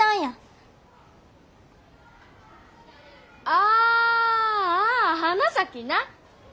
あああ花咲な。